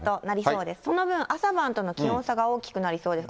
その分、朝晩との気温差が大きくなりそうです。